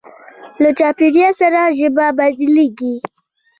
له چاپېریال سره ژبه بدلېږي.